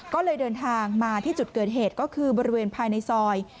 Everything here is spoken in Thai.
ก็เลยเดินทางมาที่จุดเกิดเหตุก็คือบริเวณภายในซอย